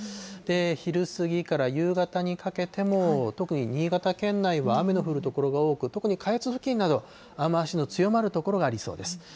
昼過ぎから夕方にかけても、特に新潟県内は雨の降る所が多く、特に下越付近など雨足の強まる所がありそうです。